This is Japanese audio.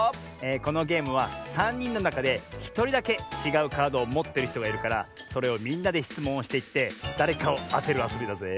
このゲームはさんにんのなかでひとりだけちがうカードをもってるひとがいるからそれをみんなでしつもんをしていってだれかをあてるあそびだぜ。